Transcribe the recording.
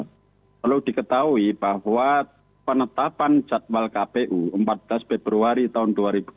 perlu diketahui bahwa penetapan jadwal kpu empat belas februari tahun dua ribu dua puluh